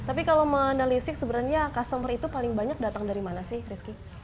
tapi kalau menelisik sebenarnya customer itu paling banyak datang dari mana sih rizky